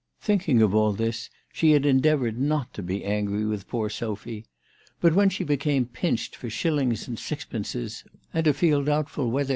Thinking of all this she had endeavoured not to be angry with poor Sophy ; but when she became pinched for shillings and sixpences and to feel doubtful whether 284 THE TELEGRAPH GIRL.